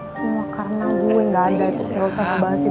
semua karena gue gak ada itu gak usah bahas itu bisa gak sih